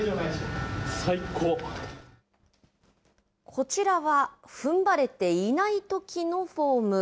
こちらは、ふんばれていないときのフォーム。